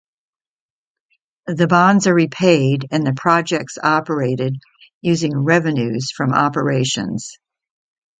The bonds are repaid and the projects operated using revenues from operations.